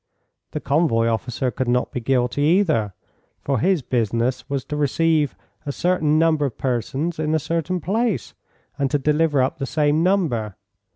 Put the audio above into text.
The convoy officer could not be guilty either, for his business was to receive a certain number of persons in a certain place, and to deliver up the same number.